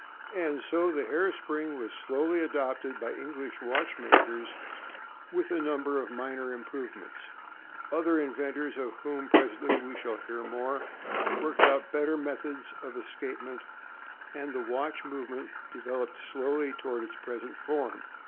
And so the hair spring was slowly adopted by English watchmakers with a number of minor improvements. Other inventors, of whom presently we shall hear more, worked out better methods of escapement, and the watch movement developed slowly toward its present form.